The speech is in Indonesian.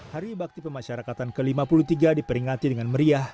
hari bakti pemasyarakatan ke lima puluh tiga diperingati dengan meriah